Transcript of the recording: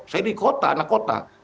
saya di kota anak kota